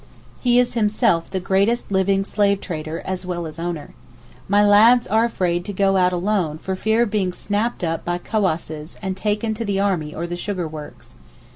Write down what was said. He is himself the greatest living slave trader as well as owner. My lads are afraid to go out alone for fear of being snapped up by cawasses and taken to the army or the sugar works.